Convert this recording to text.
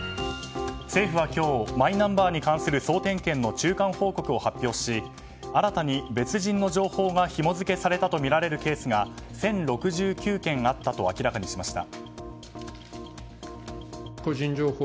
政府は今日マイナンバーに関する、総点検の中間報告を発表し新たに別人の情報がひも付けされたとみられるケースが１０６９件あったと明らかにしました。